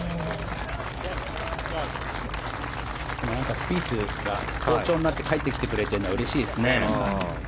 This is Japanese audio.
スピース、好調になって帰ってきてくれてるのはうれしいですね。